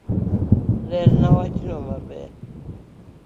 Lerna wachno maber